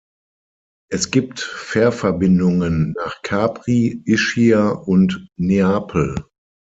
Es gibt Fährverbindungen nach Capri, Ischia und Neapel.